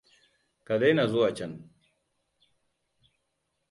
Ka daina zuwa can.